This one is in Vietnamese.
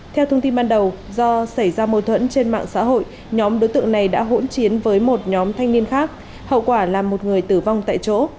theo thông tin ban đầu do xảy ra mâu thuẫn trên mạng xã hội nhóm đối tượng này đã hỗn chiến với một nhóm thanh niên khác hậu quả là một người tử vong tại chỗ